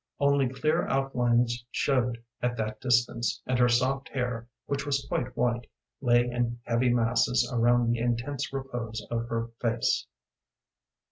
Only clear outlines showed at that distance, and her soft hair, which was quite white, lay in heavy masses around the intense repose of her face.